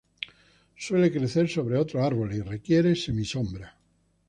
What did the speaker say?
Suele crecer sobre otros árboles, y requiere semisombra.